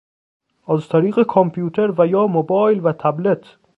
از طریق کامپیوتر و یا موبایل و تبلت